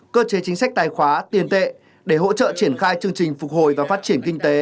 cơ chế chính sách tài khoá tiền tệ để hỗ trợ triển khai chương trình phục hồi và phát triển kinh tế